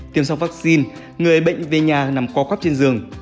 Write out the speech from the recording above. tiêm xong vaccine người ấy bệnh về nhà nằm co cóp trên giường